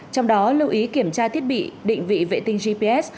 trong đó lưu ý kiểm tra thiết bị định vị vệ tinh gps